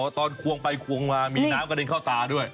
รอบไม่ผ่านก็ปึ๊บเข้ามา